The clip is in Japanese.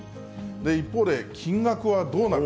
一方で、金額はどうなる？